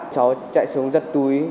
cháu chạy xuống giật túi